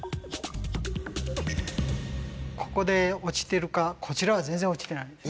ここで落ちてるかこちらは全然落ちてないです。